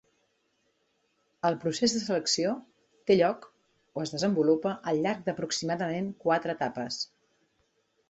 El procés de selecció té lloc/es desenvolupa al llarg d'aproximadament quatre etapes.